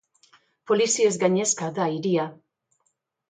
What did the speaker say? Poliziez gainezka da hiria.